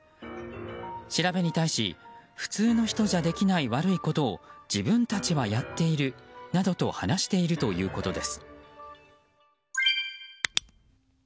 調べに対し普通の人じゃできない悪いことを自分たちはやっているなどと話しているということです。